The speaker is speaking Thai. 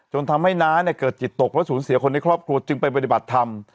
จนทำให้น้าเนี่ยเกิดจิตตกและสูญเสียคนในครอบครัวจึงไปปฏิบัติธรรม